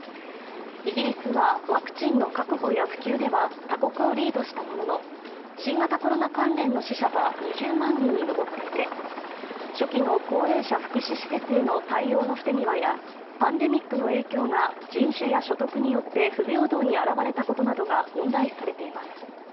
イギリスはワクチンの確保や普及では他国をリードしたものの新型コロナ関連の死者は２０万人に上っていて初期の高齢者福祉施設への対応の不手際やパンデミックの影響が人種や所得によって不平等に現れたことなどが問題視されています。